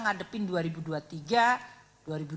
kegagalan dari apbn kita sebagai shock absorber